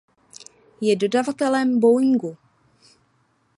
Je dodavatelem Boeingu.